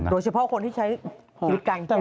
โดยเฉพาะคนที่ใช้ชีวิตกลางแจ้ง